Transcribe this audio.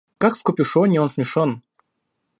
Как в капюшоне он смешон.